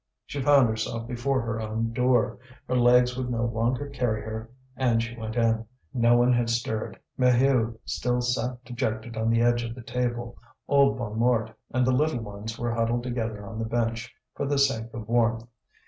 She found herself before her own door. Her legs would no longer carry her, and she went in. No one had stirred. Maheu still sat dejected on the edge of the table. Old Bonnemort and the little ones were huddled together on the bench for the sake of warmth.